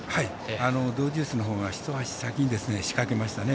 ドウデュースのほうが一足先に仕掛けましたね。